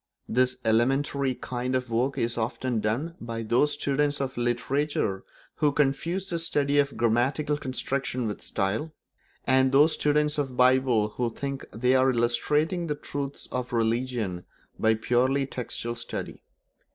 This elementary kind of work is often done by those students of literature who confuse the study of grammatical construction with style, and those students of the Bible who think they are illustrating the truths of religion by purely textual study.